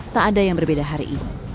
tak ada yang berbeda hari ini